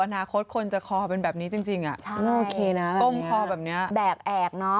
อนาคตคนจะคอเป็นแบบนี้จริงอ่ะใช่โอเคนะก้มคอแบบนี้แบกแอกเนอะ